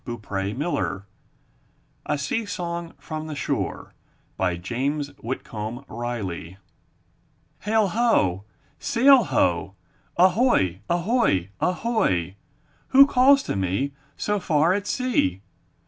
I N THE NURSERY A SEA SONG FROM THE SHORE* James Whitcomb Riley Hail! Ho! Sail! Ho! Ahoy ! Ahoy ! Ahoy ! Who calls to me, So far at sea?